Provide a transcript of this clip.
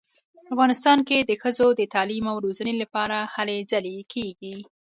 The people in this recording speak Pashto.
افغانستان کې د ښځو د تعلیم او روزنې لپاره هلې ځلې کیږي